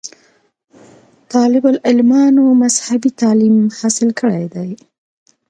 طالب علمانومذهبي تعليم حاصل کړے دے